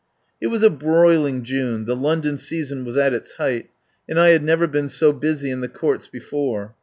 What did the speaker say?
It was a broiling June, the London season was at its height, and I had never been so busy in the Courts before.